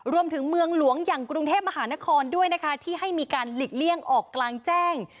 รวมถึงเมืองหลวงอย่างกรุงเทพมหานครด้วยนะคะที่ให้มีการหลีกเลี่ยงออกกลางแจ้ง